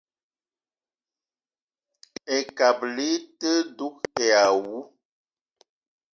Ekabili i te dug èè àwu